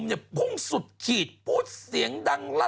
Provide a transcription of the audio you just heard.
จากกระแสของละครกรุเปสันนิวาสนะฮะ